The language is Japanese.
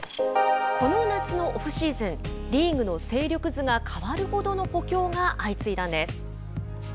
この夏のオフシーズンリーグの勢力図が変わるほどの補強が相次いだんです。